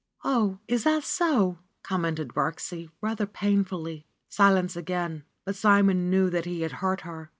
"Oh, is that so ?" commented Birksie rather painfully. Silence again, hut Simon knew that he had hurt her.